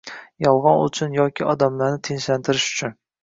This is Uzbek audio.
Yolgʻon uchun yoki odamlarni tinchlantirish uchun